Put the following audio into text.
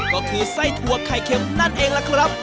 ก็คือไส้ถั่วไข่เข็มนั่นเองล่ะครับ